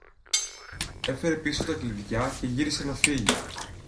έφερε πίσω τα κλειδιά και γύρισε να φύγει.